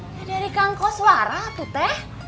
ya dari kang koswara tuh teh